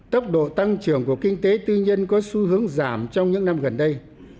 tốc độ tăng trưởng của kinh tế tư nhân có xu hướng giảm trong những năm gần đây